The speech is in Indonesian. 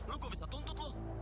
lu kok bisa tuntut lu